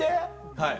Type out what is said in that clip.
はい。